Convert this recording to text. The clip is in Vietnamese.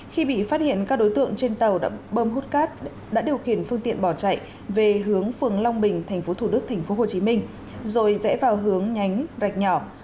khi bị phát hiện các đối tượng trên tàu bơm hút cát đã điều khiển phương tiện bỏ chạy về hướng phường long bình thành phố thủ đức thành phố hồ chí minh rồi rẽ vào hướng nhánh rạch nhỏ